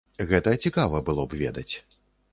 Гэта цікава было б ведаць.